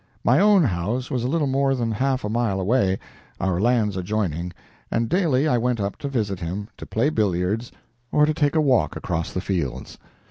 My own house was a little more than half a mile away, our lands joining, and daily I went up to visit him to play billiards or to take a walk across the fields.